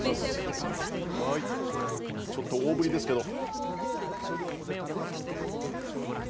ちょっと大ぶりですけど。